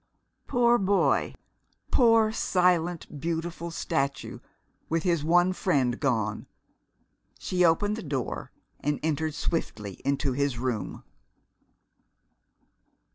Poor boy! Poor, silent, beautiful statue, with his one friend gone! She opened the door and entered swiftly into his room.